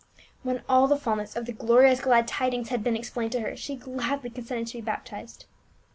When all the fulness of the glorious glad tidings had been explained to her, she gladly consented to be baptized.